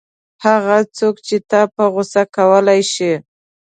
هغه څوک چې تا په غوسه کولای شي.